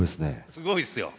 すごいですよ。